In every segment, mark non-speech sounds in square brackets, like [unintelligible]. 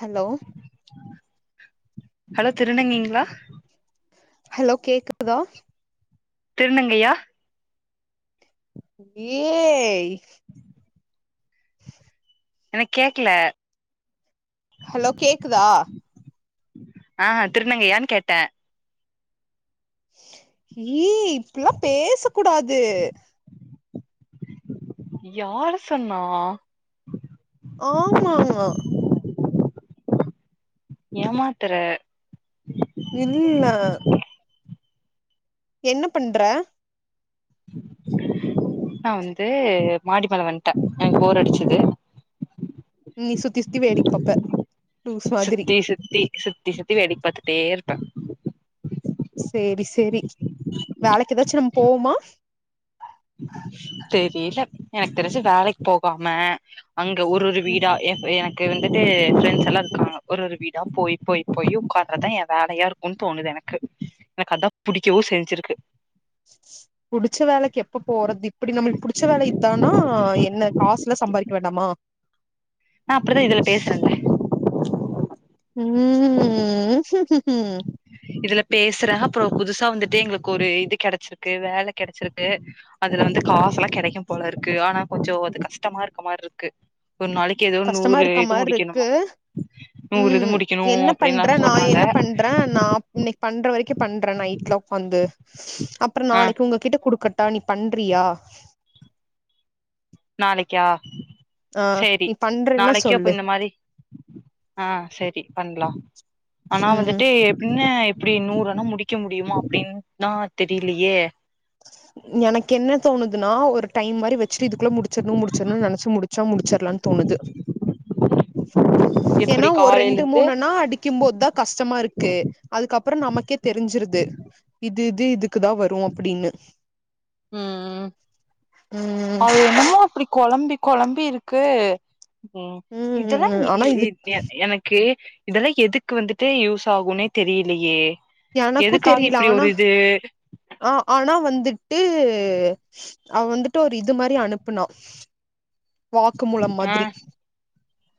Hello hello திருநங்கிங்களா hello கேக்குதா திருநங்கையா ஏய் [inaudible] எனக்கு கேக்கல ஹலோ கேக்குதா ஆ திருநங்கையான் கேட்ட ஏய் இப்டியல்லா பேசக் கூடாது யாரு சொன்னா ஆமாங்க ஏமாத்துர இல்ல என்ன பண்ற நா வந்து மாடிமேல வன்ட எனக்கு போர் அடிச்சுது நீ சு த்தி சுத்தி சுத்தி வேடிக்ப் பாப்ப லீஸ் மாதிரி சுத்தி சுத்தி சுத்தி சுத்தி வேடிக்க பத்துட்டே இருப்ப சேரி சேரி வேலைக்கு ஏதாச்சு நம்ம போவோமா தெரியில எனக்கு தெரிஞ்சு வேலைக் போகாம அங்க ஒரு ஒரு வீடா எ எனக் அது வந்துட்டு ஃப்ரெண்ட்ஸ் எல்லா இருக்காங்க ஒரு ஒரு வீடா போய் போய் போய் உக்கருதா எ வேலையா இருக்குன் தோணுது எனக்கு எனக்கு அதா புடிக்கவு செஞ்சுருக்கு புடிச்ச வேலைக்கு எப்ப போறது இப்டி நம்மளுக்கு புடிச்ச வேலை இதானா என்ன காசுலா சம்பாரிக்க வேண்டாமா ஆ அப்புறோந்தா இதுல பேசுறன்ல [inaudible] ம் இதுல பேசுற அப்புறோ புதுசா வந்துட்டு எங்களுக்கு ஒரு இது கெடச்சுருக்கு வேல கெடச்சுருக்கு அதுல வந்து காசு எல்லா கெடைக்கும் போல இருக்கு ஆனா கொஞ்சோ அது கஷ்டமா இருக்க மார் இருக்கு ஒரு நாளைக்கு ஏதோ கஷ்டமா நூறு இருக்க இது மாரி இருக்கு முடிக்கணுமா நூறு இது ம் முடிக்கணு என்ன அப்டின்தா சொல்றாங்க இன்னிக்கு பண்ற வரைக்கு பண்ற நைட்ல உக்காந்து அப்புறோ ஆ நாளைக்கு உங்ககிட்ட குடுக்கட் பா நீ பண்றியா நாளைக்கா ஆ சேரி நீ பண்றேன்னா நாளைக்கே சொல்லு அப்போ இந்த மாரி ஆ சேரி பண்லா ஆனா ம் வந்துட்டு எப்பின்ன இப்டி நூறுனா முடிக்க முடியுமா அப்டின்தா தெரிலியே எனக்கு என்ன தோணுதுன்னா ஒரு டைம் மாரி வெச்சுட்டு இதுக்குள்ள முடுச்சுருனு முடுச்சுருன் நெனச்சு முடுச்சா முடுச்சுர்லான் தோணுது எப்டி ஏன்னா ஒரு காலைல ரெண்டு இருந்து மூணு நா அடிக்கும் போது தா கஷ்டமா இருக்கு அதுக்கப்புறோ நமக்கே தெருஞ்சுருது இப் இது இது இதுக்குதா வரு அப்புடின்னு ம் ம் அது என்னமோ அப்டி கொழம்பி கொழம்பி இருக்கு ம் இதெல்லா ம் ஆனா எ இது எ எஎனக்கு இதெல்லா எதுக்கு வந்துட்டு யூஸ் ஆகுனே தெரிலியே எனக்கு தெரியில ஆனா ஆ ஆனா வந்துட் ட்டு அவ வந்துட்டு ஒரு இது மாரி அனுப்புனா வாக்கு மூலம் ஆ மாதிரி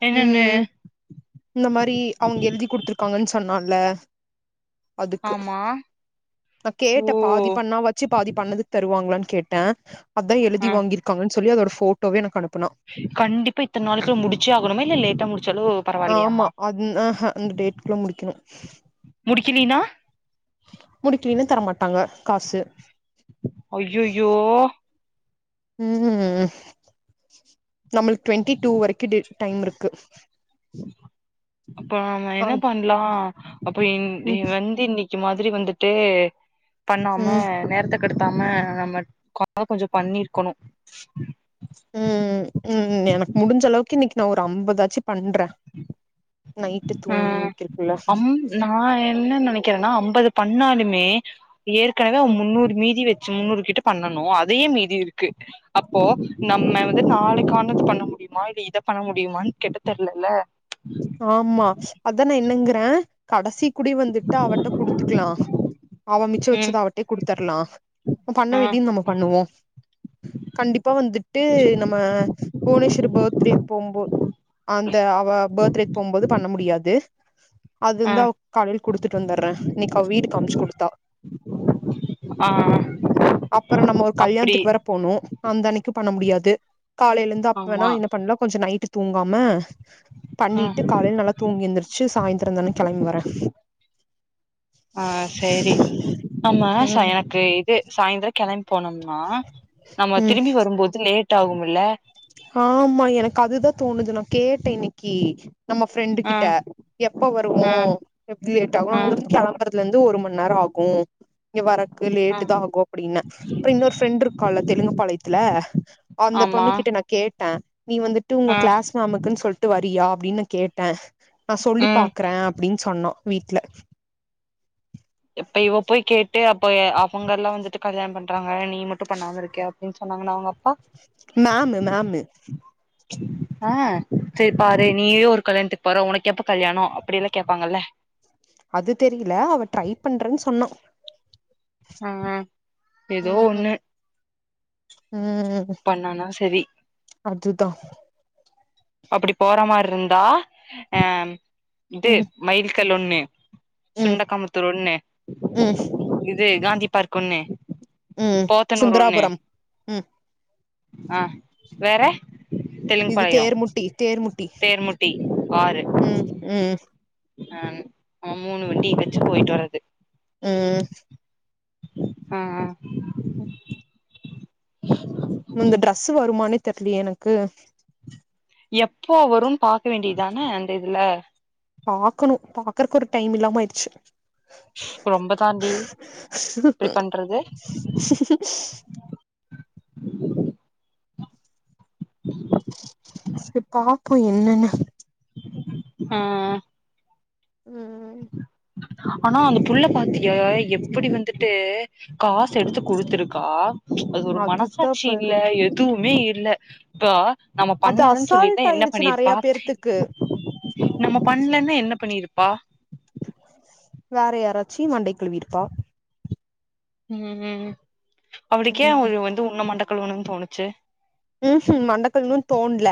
என்னன்னு ம் இந்த மாரி அவங்க எழுதி குடுத்துருக்காங்கன்ஸ் சொன்னால அதுக்கு ஆமா நா ஓ கேட்ட பாதி பண்ணா வெச்சு பாதி பண்ணதுக்கு தருவாங்களான் கேட்ட அதா எழுதி ஆ வாங்கியிருக்காங்கன் சொல்லி அதோட ஃபோட்டோவே எனக்கு அனுப் கண்டிப்பா இத்தன் நாளைளுக்குள்ள முடிச்சே ஆகணுமா இல்ல லேட்டா முடிஞ் ஆமா அதுன் ஆஹா அந்த டேட்குள்ள முடிக்கணு முடிக்கில்லின்னா முடிக்கிலின்னா தரமாட்டாங்க காஸ்சு அய்யய்யோ ம் நம்மளுக்கு ட்வெண்டி டூ வரைக்கு டே டைம் இருக்கு [inaudible] இப்ப நம்ம அ என்ன பண்லா அப்ப இன் ம் வந்து இன்னிக் அக்கி மாதிரி வந்துட்டு பண்ணாம ம் நேரத்து கடுத்தாம நம்ம கா கொஞ்சம் பண்ணிருக்கணும் ம் ம் ம் ம் எனக்கு முடிஞ்ச அளவுக்கு இன்னிக்கு நா ஒரு அம்பது தட்சி பன்ற ஆ அம் நா என்ன நெனைக்கறேன்னா அம்பது பன்னா மே ஏற்கனவே அவ முன்னூறு மீதி வச் முன்னூறு கிட்ட பண்ணணு அதே மீதி இருக்கு அப்போ நம்ம வந்து நாளைக்கானது பண்ண முடியுமா இல்ல இத பண்ண முடியும்மனு கேட்ட தெரியலல ஆமா அதா நா என்னங்கறே கடைசி குடி வந்துட்ட அவட்ட குடுத்துக்கலா அவ மிச்ச ம் வச்சத அவட்ட குடுத்துடலா பண்ண ஆ வேண்டியது நம்ம பண்ணுவோம் கண்டிப்பா வந்துட்டு நம்ம புவனேஸ்வரி பர்த்டே போம்போது அந்த அவ பர்த்டே போம்போது பண்ண முடியாது அது ஆ இந்த அவ கள்ளி குடுத்துட்டு வந்துடறே இன்னிக்கு அவ வீடு காமிச்சு குடுத்தா ஆ அப்புற நம்ம ஒரு அப்டி கல்யாணத்துக்கு வேற போனும் ந்த அனிக்கு பண்ண முடியாது காலையலந்து அப்ப வேணா ஆமா என்ன பண்ணலா கொஞ்ச நைட்டு தூங்காம ஆ பண்ணிட்டு காலைல நல்லா தூங்கி எந்திருச்சு சாய்ந்தர தான கெளம்பி வரே ஆ சேரி ஆமா சா ம் எனக்கு இது சாயந்தரம் கெளம் போனம்னா நம்ம ம் திரும்பி வரும்போது லேட் ட்ட ஆகும்ல்ல ஆமா எனக்கு அதுதா தோணுது நா கேட்டே இன்னிக்கு நம்ம ஃப்ரெண்டு ஆ கிட்ட எப்ப ஆ வருவோம் எப்டி லேட் ஆகும் ஆ அங்க கிளம்பற ல இருந்து ஒரு மணி நேர ஆகு இங்க வர ஆ லேட்டு தா ஆகு அப்டிநெ அப்ற இன்னொரு ஃப்ரெண்ட் இருக்கால தெலுங்கு பாளையத்ல அந்த ஆமா பொண்ணு கிட்ட ந ட்டா [unintelligible] நீ வந்துட்டு உங்க ஆ கிளாஸ் மேமுக்குனு சொல் ட் வரியா அப்டினு கேட்டே நா சொல்லி ம் பாக்குறே அப்டின் சொன்னோ வீட்ல இப்ப இவ போய் கேட்டு ய் அவுங்க எல்லா வந்துட்டு கல்யாண பண்றாங்க நீ மட்டு பண்ணாம இருக்கே அப்டினு சொன்னாங்கனா அவுங்க அப்பா மேமு மேமு ஆ சரி பாரு நீயே ஒரு கல்யாணத்துக்கு போற உனக்கு எப்ப கல்யாண அப்டினு கேப்பாங்கல அது தெரியல அவ ட்ரை பண்றேனு சொன்னா ஆ ஏதோ ம் ஒன்னு ம் சரி அதுதா அப்டி போற மாரி இருந்தா அ இது ம் மயில் செலே [unintelligible] ம் சுண்டகாமத்தூர் ஒன்னே ம் இது காந்தி பார்க் ஒன்னு ம் சுந்தராபுரம் உம் அ வேற தெலுங்குபாளையொ முட்டி தேர்முட்டி ஆறு உம் உம் ஆ ஆ மூனு வெண்டி வெச்சு போய்ட்டு வரது உம் அ அ ம் ம் இந்த ட்ரெஸ்சு வருமானே தெர்லயே எனக்கு எப்போ வரும்னு பாக்க வேண்டியதான அந்த இதுல பாக்கணு பாக்குறதுக்கு ஒரு டைம் இல்லாம ஆயிடுச்சு ரொம்ப தாண்டி ப்டி பண்றது சேர் பாப்போ என்னன்னு ஆஅ ம் ம் ஆனா அந்த புள்ள பாத்தியா எப்புடி வந்துட்டு காசு ம் எடுத்து குடுத்துருக்கா ச் அது ஒரு அதுதா மனசாட்சி இல்ல பாரு எதுவு மே இல்ல பா நம்ம அது பண்ணலன்னு அசால்ட் சொல்லிருந்தா என்ன ஆயிருச்சு நெறைய பண்ணிருப்பா பேர்த்துக்கு நம்ம பண்ணலன்னா என்ன பண்ணிருப் ப்பா ம் வேற யாராச்சு மண்டைக்கிழிவிருப்பா ம் ம் அவ்னுகே ம் ஒரு வந்து உண்ண மண்ட க்கலுவுணுண்ணு தோணுச்சு ம்ம் மண்டக்கலுவுன்னு தோன்ல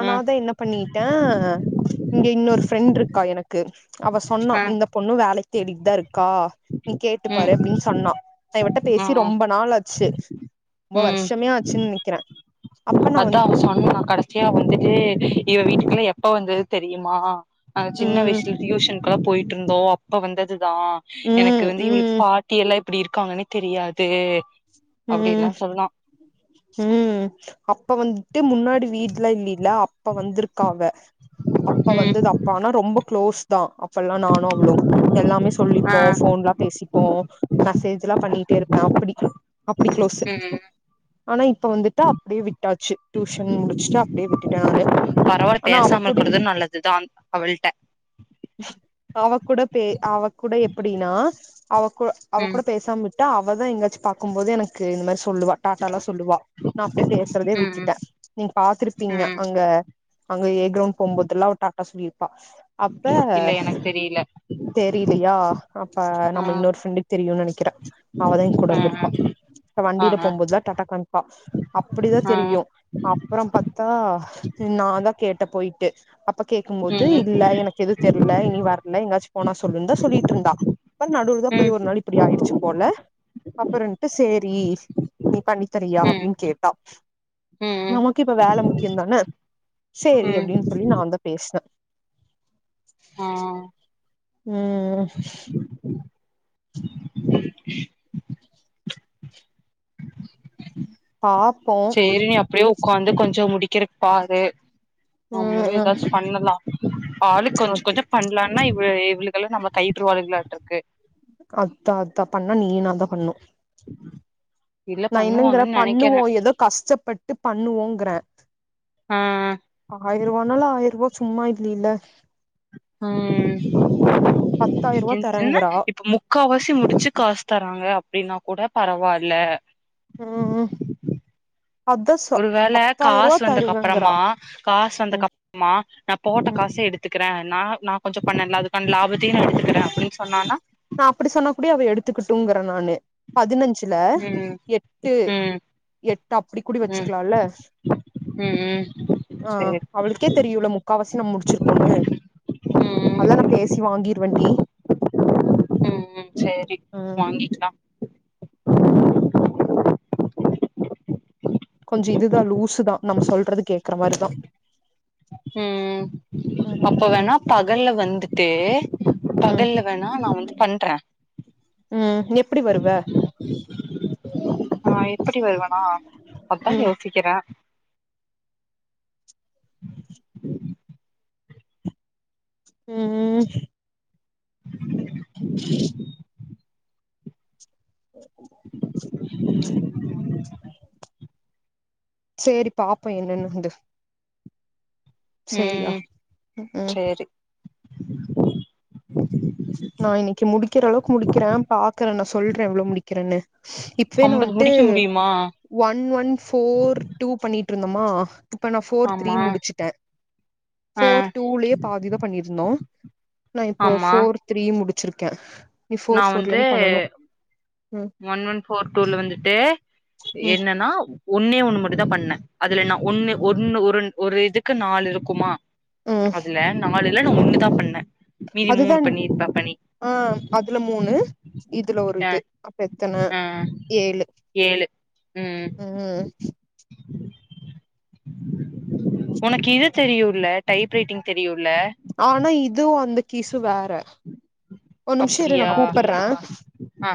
ம் என்ன பண்ணிட்டே இங்க இன்னொரு ஃப்ரெண்ட்ருக்கா எனக்கு அவ சொன்னா ம் இந்த பொண்ணு வேலைக் தேடிட் தா இருக்கா நீ கேட்டு பாரு ம் அப்டின் சொன்னா நா இவள்ட்ட பேசி ம் ரொம்ப நாளாச்சு ரொம்ப ம் வருஷமே ஆச்சு நி அதா அவ சொன்னா கடைசியா வந்துட்டு இவ வீட்டுக்குள்ள எப்ப வந்தது தெரியுமா அந்த் சின்ன ம் வயசுஸ்ல ட்யூஷன் க்கா போயிட்டு இருந்தோ அப்ப வந்தது தா எனக்கு ம் வந்து இவளுக் ம் பாட்டி எல்லா ப்டி இருக்காங்கன்னே தெரியாது அப்டில்லா ம் சொன்னா ம் அப்ப வந்துட்டு முன்னாடி வீட்ல இங்க இல்ல அப்ப வந்த்ருக்காங்க அப்ப ம் வந்தது அப்பா ஆனா ரொம்ப க்ளோஸ் தா அப்பல்லா நானு அவ்ளோ எல்லாமே ஆ சொல்லிப்போ போன்லா பேசிப்போ மெசேஜ்லா பண்ணிட்டே இருப் நா அப்புடி அப்டி க்ளோசு ம் ஆனா இப் ப்ப வந்துட்டு அப்டியே விட்டாச்சு டியூஷன் முடிச்சுட்டு அப்டியே விட்டுட்டே நானு பரவால்ல ஆனா அவ பேசாம கூடி இருக்கறது நல்லதுதா அவள்ட்ட அவ கூட பே அவ கூட எப்படீனா அவ கூ அவ ம் கூட பேசாமுச் டா அவதா எங்கயாச்சு பா க்கும் போது எனக்கு இந்த மாதி சோ சொல்லுவா டாடாலா சொல்லுவா நா அப்படியே பேசுறதே ம் ம் விட்டுட்டே நீங்க பாத்ருப்பீங்க ம் அங்க அங்க ஏரௌண்ட் போக போதல்லா அவ டாட்டா சொலி அப்ப இல்ல எனக்கு தெரில தெரிலயா அப்ப ஆ நம்ம இன்னொரு ஃப்ரெண்டுக்கு தெரியும்னு நெனக்கறே அவதா ஏ கூட ஆ இருந்து ஆ வண்டியில ஆ போம்போதுலா டாட்ட காமிப்பா அப்புடிதா ஆ தெரியு அப்ற பாத்தா நா தா கே ட்ட போய்ட்டு அப்ப கேக்கும்போது ம் இல்ல எனக்கு எதுவு தெர்ல இனி வர்ல எங்காச்சு போனா சொல்லு இருந்தா சொல்லிட்ருந்தா ப நடுவில தா ம் போய் ம் ஒரு நாள் இப்டி ஆயிடுச்சு போல அப்புறன்ட்டு சேரி நீ பண்ணித்தரியா ம் அப்டின் கேட்டா ம் நமக்கு இப்ப வேல முக்கியந்தான சேரி ம் அப்டின் சொல்லி நா வந்த பேஸ்னே ஆ ம் ம் [inaudible] [inaudible] பாப்போ கொஞ்ச கொஞ்ச முடிக்கறக்ப்பாரு ம் நமளு ம் ஏதாச்சு பண்ணலா ஆளு அ கொஞ்ச கொஞ்ச பண்ணலாம்னா இவ இவகல்லா நம்ம கயிற்றுவாளுகளாட்ருக்கு அதா அதா பண்ணா நீனாதா பண்ணு நா என்னங்கறே பண்ணுவாங்கன்னு பண்ணுவோ நெனைக்கிறே ஏதோ கஷ்டப்பட்டு பண்ணுவோங்கறே ஆ ஆயர்ரூபானாலு ஆயர்ரூபா சும்மா இல்லில்ல ம் பத்தாயிரூவா என்னா தரேங்கறா இப்ப முக்காவாசி முடிச்சு காஸ் தராங்க அப்டினா கூட பரவால்ல ம் ம் ஒரு வேள காஸ் தருவேங்கறா வந்தக்கப்றமா காஸ் ம் வந்தக்கப்றமா நா போட்ட ம் காசே எடுத்துக்குறே நா நா கொஞ்ச பண்ணல அதுக்கான லாபத்தையு நா எடுத்துக்குறே அப்டினு சொன்னானா நா அப்டி சொன்ன கூட அவ எடுத்துக்கிட்டோங்கறே நானு பதினஞ்சு ம் எட்டு ம் எட்டு அப்டி கூட ம் வச்சுக்கலால ம் ம் ஆ சேரி அவளுக்கே தெரியுல பலசெல முடிச்சிருக்கோனு அத ம் ந பேசி வாங்கிருவேண்டி வாங்கிட்டு வா உம் கொஞ்ச இதுதா லூசு தா நம்ம சொல்றத கேக்ற மாரிதா உம் ம் அப்ப ம் வேணா பகல்ல வந்துட்டு ம் ம் பகல்ல வேணா நா வந்து பண்றே ம் எப்டி வருவா [unintelligible] நா எப்டி வருவேனா அதா ம் யோசிக்கிறே [inaudible] உம் ம் [inaudible] உ [unintelligible] [unintelligible] சேரி பாப்போ என்னன்னு வந்து சரியா ம் உம் [inaudible] நா இன்னைக்கு முடிக்கிற அளவுக்கு முடிக்கிறே பாக்குறே நான் சொல்றே எவ்ளவு முடிக்கிறேன்னு இப்பேனு அம்பது வன்டு முடிக்க முடியுமா ஒன் ஒன் ஃவோர் டூ பண்ணிட்டு ட்டு இருந்தமா இப்போ நா ஃவோர் த்ரீ ஆமா முடிச்சுட்டே ஆ ஃவோர் டூலயே பாதிதா பண்ணியிருந்தே நா இப்போ ஆமா ஃவோர் பி இ முடிச்சிருக்கே நீ நா ஃபோர் ஃபோர்ல வந்து... இருந்து பண்ணனு ம் ஒன் ஒன் ஃபோர் டூல வந்துட்டு ம் என்னன்னா ஒன்னே ஒன்னு மட்டு தா பண்ணே அதுல நா ஒன்னு ஒன்னு ஒரு ஒரு இதுக்கு நாலு இருக்குமா ம் அதுல நாலு இல்ல நா ஒன்னு தா பண்ணே மீதி மூணு அதுதான் பண்ணிருப்பே பண்ணி ஆ அதுல மூணு இதுல ஒரு ஆ இது அப் எத்தன ஆ ஏழு ஏழு ம் உனக்கு இது தெரியுல்ல டைப் ரைட்டிங் தெரியு ஆனா இது வந்து கிசு வேற ஒரு நிமிஷோ இரு நா அப்டியா கூப்பட்றே. ஆ